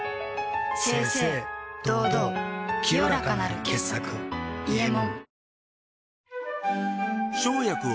清々堂々清らかなる傑作「伊右衛門」